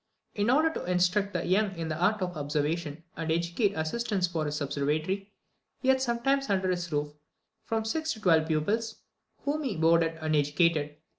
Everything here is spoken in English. In order to instruct the young in the art of observation, and educate assistants for his observatory, he had sometimes under his roof from six to twelve pupils, whom he boarded and educated.